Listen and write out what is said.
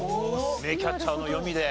名キャッチャーの読みで。